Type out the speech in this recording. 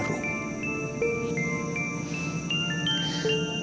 dan tubuhmu butuh energi yang baru